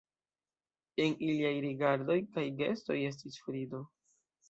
En iliaj rigardoj kaj gestoj estis frido.